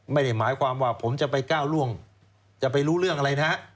ไม่ได้หมายความว่าผมจะไปก้าวร่วงจะไปรู้เรื่องอะไรนะฮะ